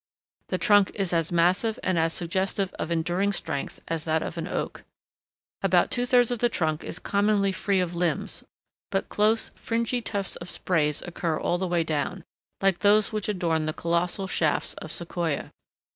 The trunk is as massive and as suggestive of enduring strength as that of an oak. About two thirds of the trunk is commonly free of limbs, but close, fringy tufts of sprays occur all the way down, like those which adorn the colossal shafts of Sequoia.